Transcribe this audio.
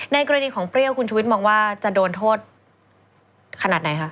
กรณีของเปรี้ยวคุณชุวิตมองว่าจะโดนโทษขนาดไหนคะ